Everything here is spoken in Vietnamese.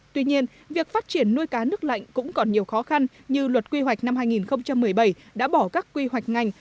tuy nhiên việc phát triển nuôi cá nước lạnh cũng còn nhiều khó khăn như luật quy hoạch năm hai nghìn một mươi bảy đã bỏ các quy hoạch ngành